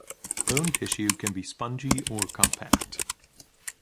Bone tissue can be spongy or compact.